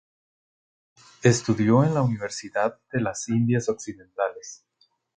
Estudió en la Universidad de las Indias Occidentales.